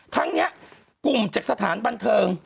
ทั้งนี้กลุ่มจากสถานบันเทิง